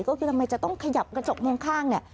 ก็คือทำไมจะต้องขยับกระจกมองข้างเนี่ย